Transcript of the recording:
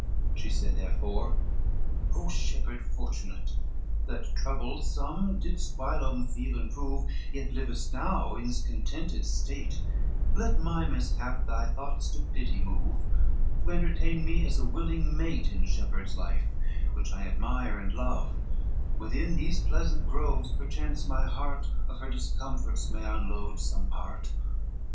XV She said therefore, "O shepherd fortunate! That troubles some didst whilom feel and prove, Yet livest now in this contented state, Let my mishap thy thoughts to pity move, To entertain me as a willing mate In shepherd's life which I admire and love; Within these pleasant groves perchance my heart, Of her discomforts, may unload some part.